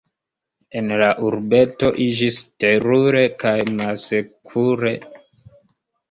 En la urbeto iĝis terure kaj malsekure.